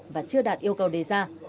và chưa đạt yêu cầu đề ra